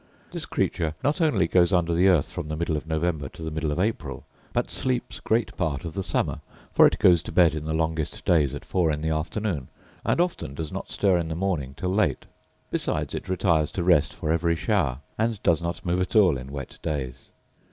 This creature not only goes under the earth from the middle of November to the middle of April, but sleeps great part of the summer; for it goes to bed in the longest days at four in the afternoon, and often does not stir in the morning till late. Besides, it retires to rest for every shower; and does not move at all in wet days.